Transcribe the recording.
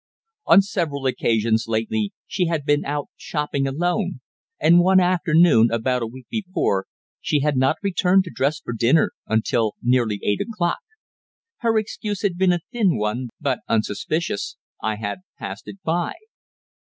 On several occasions lately she had been out shopping alone, and one afternoon, about a week before, she had not returned to dress for dinner until nearly eight o'clock. Her excuse had been a thin one, but, unsuspicious, I had passed it by.